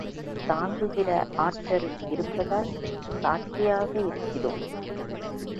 தாங்குகிற ஆற்றல் இருப்பதால் சாட்சியாக இருக்கிறோம்.